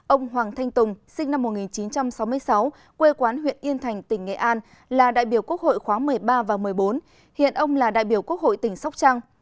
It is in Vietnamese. ông hoàng thanh tùng sinh năm một nghìn chín trăm sáu mươi sáu quê quán huyện yên thành tỉnh nghệ an là đại biểu quốc hội khóa một mươi ba và một mươi bốn hiện ông là đại biểu quốc hội tỉnh sóc trăng